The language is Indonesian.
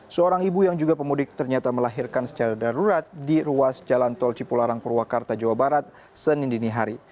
seorang ibu yang juga pemudik ternyata melahirkan secara darurat di ruas jalan tol cipularang purwakarta jawa barat senin dinihari